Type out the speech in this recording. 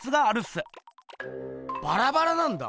バラバラなんだ？